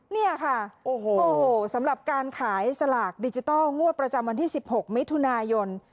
เนี่ยค่ะโอ้โหสำหรับการขายสลากดิจิทัลงวดประจำวันที่๑๖มิถุนายน